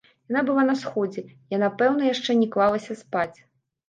Яна была на сходзе, яна пэўна яшчэ не клалася спаць.